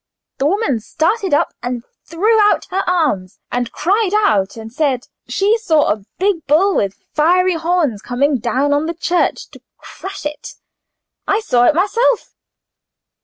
The woman started up and threw out her arms, and cried out and said she saw a big bull with fiery horns coming down on the church to crush it. I saw it myself."